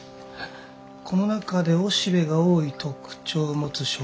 この中で雄しべが多い特徴を持つ植物は。